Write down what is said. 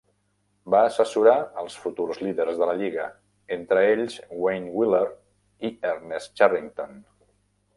Va assessorar els futurs líders de la lliga, entre ells Wayne Wheeler i Ernest Cherrington.